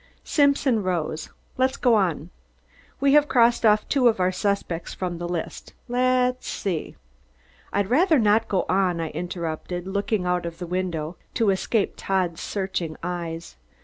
Simpson rose. "Let's go on. We have crossed off two of our suspects from the list, let's see " "I'd rather not go on," I interrupted, looking out of the window to escape Todd's searching eyes.